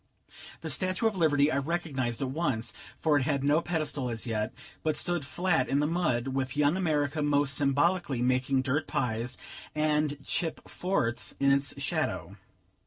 The statue of Liberty I recognized at once, for it had no pedestal as yet, but stood flat in the mud, with Young America most symbolically making dirt pies, and chip forts, in its shadow.